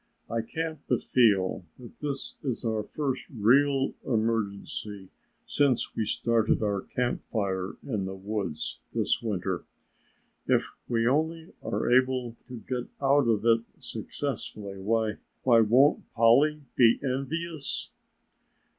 "I can't but feel that this is our first real emergency since we started our camp fire in the woods this winter. If we only are able to get out of it successfully, why why, won't Polly be envious?"